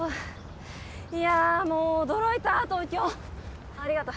いやもう驚いた東京ありがと